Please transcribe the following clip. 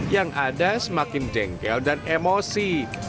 yang ada semakin jengkel dan emosi